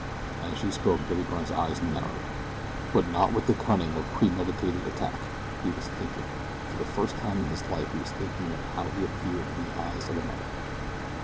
As she spoke Billy Byrne's eyes narrowed; but not with the cunning of premeditated attack. He was thinking. For the first time in his life he was thinking of how he appeared in the eyes of another.